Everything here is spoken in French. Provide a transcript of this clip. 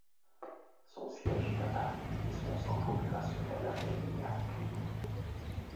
Son siège est à Paris et son centre opérationnel à Mérignac.